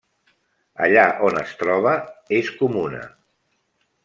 Allà on es troba, és comuna.